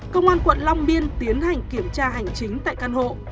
công an quận long biên tiến hành kiểm tra hành chính tại căn hộ